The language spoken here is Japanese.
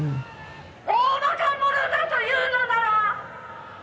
「大馬鹿者だと言うのなら！」